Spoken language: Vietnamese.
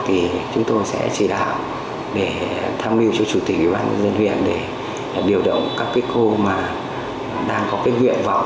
thì chúng tôi sẽ chỉ đạo để tham mưu cho chủ tịch ủy ban nhân dân huyện để điều động các cái khu mà đang có cái nguyện vọng